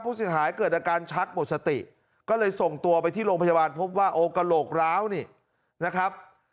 ผู้เสียหายเกิดอาการชักหมดสติก็เลยส่งตัวไปที่โรงพยาบาลพบว่าโอ้กระโหลกร้าวนี่นะครับ